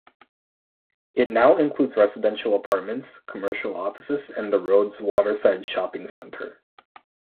It now includes residential apartments, commercial offices and the Rhodes Waterside shopping centre.